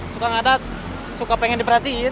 suka ngadat suka pengen diperhatiin